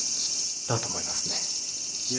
だと思います。